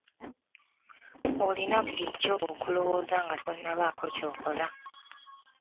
Olina bulijjo okulowooza nga tonnabaako ky'okola.